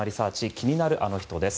気になるアノ人です。